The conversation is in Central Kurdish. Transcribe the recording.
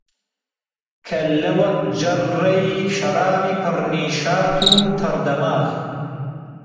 کەللە وەک جەڕڕەی شەرابی پر نیشات و تەڕ دەماغ